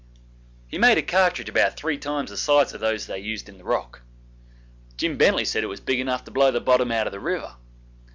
He made a cartridge about three times the size of those they used in the rock. Jim Bently said it was big enough to blow the bottom out of the river.